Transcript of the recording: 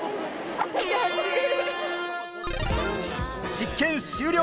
実験終了。